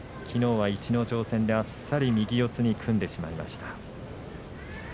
きのうは逸ノ城戦であっさり右四つに組んでしまいました。